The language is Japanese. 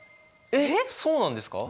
えっそうなんですか！？